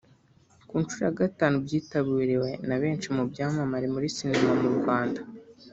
Ku nshuro ya Gatanu byitabiriwe na benshi mu byamamare muri sinema mu Rwanda